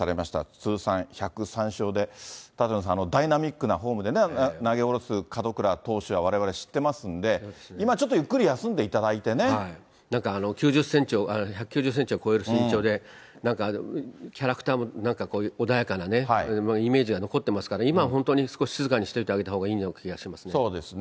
通算１０３勝で、舘野さん、ダイナミックなフォームでね、投げ下ろす門倉投手はわれわれ知ってますんで、今ちょっとゆっくなんか９０センチを、１９０センチを超える身長で、なんかキャラクターも穏やかなね、イメージが残ってますから、今は本当に少し静かにしておいてあげたほうがいいような気がしまそうですね。